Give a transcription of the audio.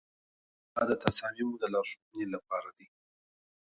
دا د تصامیمو د لارښوونې لپاره دی.